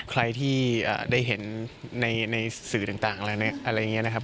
ใครที่ได้เห็นในสื่อต่างอะไรอย่างนี้นะครับ